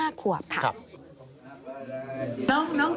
น้องคุณผู้ชายค่ะฝาดผู้ชายค่ะ